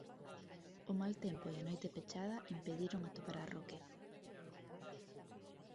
O mal tempo e a noite pechada impediron atopar a Roque.